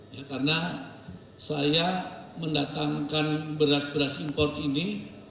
ya karena saya mendatangkan beras beras import ini